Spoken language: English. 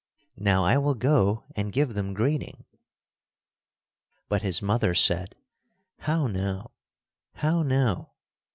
Now I will go and give them greeting." But his mother said: "How now! How now!